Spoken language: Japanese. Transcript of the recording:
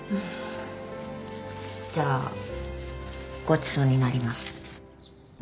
じゃあごちそうになります。